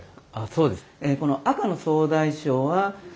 そうです。